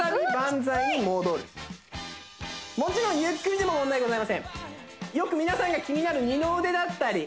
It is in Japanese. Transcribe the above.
キツイもちろんゆっくりでも問題ございません